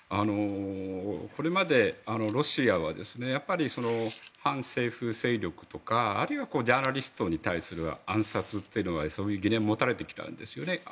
これまでロシアは反政府勢力とかあるいはジャーナリストに対する暗殺というのはそういう疑念は持たれてきたんですよね。